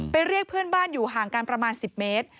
เรียกเพื่อนบ้านอยู่ห่างกันประมาณ๑๐เมตร